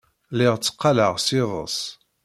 Lliɣ tteqqaleɣ s iḍes.